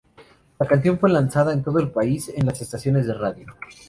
La canción fue lanzada en todo el país en las estaciones de radio.